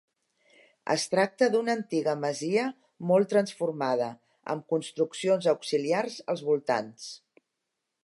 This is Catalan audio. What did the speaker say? Es tracta d'una antiga masia molt transformada, amb construccions auxiliars als voltants.